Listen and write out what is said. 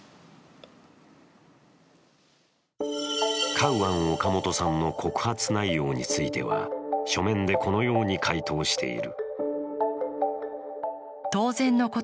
カウアン・オカモトさんの告発内容については書面でこのように回答している。